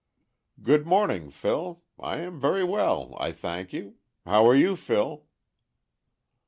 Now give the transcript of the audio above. "Good morning, Phil. I am very well, I thank you. How are you, Phil?"